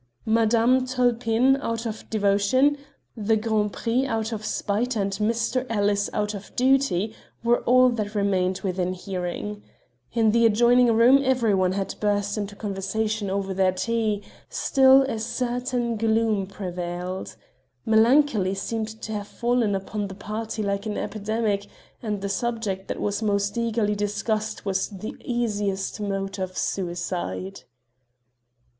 Madame Tulpin, out of devotion, the Grand Prix out of spite, and Mr. Ellis out of duty were all that remained within hearing. In the adjoining room every one had burst into conversation over their tea; still, a certain gloom prevailed. Melancholy seemed to have fallen upon the party like an epidemic, and the subject that was most eagerly discussed was the easiest mode of suicide.